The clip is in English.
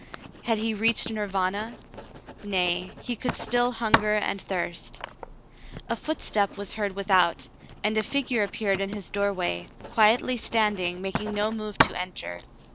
Had he reached Nirvana ? Nay, he could still hunger and thirst. A footstep was heard without, and a figure appeared in his doorway, quietly standing, making no move to enter.